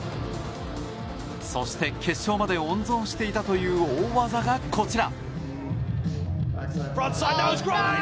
そして決勝まで温存していたという大技が、こちら。